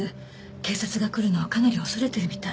警察が来るのをかなり恐れてるみたい。